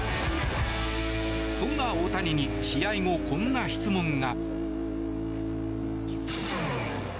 そんな大谷に試合後、こんな質問が。